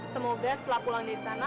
semoga setelah pulang di sana